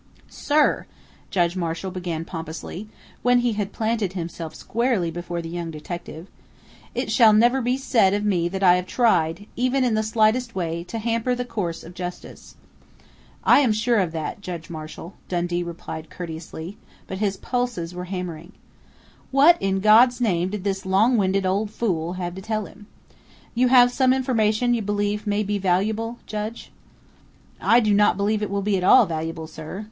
"Sir!" Judge Marshall began pompously, when he had planted himself squarely before the young detective, "It shall never be said of me that I have tried, even in the slightest way, to hamper the course of justice." "I am sure of that, Judge Marshall," Dundee replied courteously, but his pulses were hammering. What, in God's name, did this long winded old fool have to tell him?... "You have some information you believe may be valuable, Judge?" "I do not believe it will be at all valuable, sir.